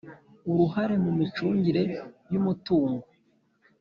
uruhare mu micungire y umutungo